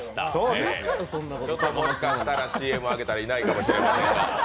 もしかしたらＣＭ明けたらいないかもしれませんが。